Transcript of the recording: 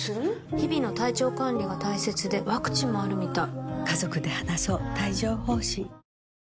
日々の体調管理が大切でワクチンもあるみたい・あっ！